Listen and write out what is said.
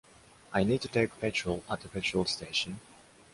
I need to take petrol at the petrol station.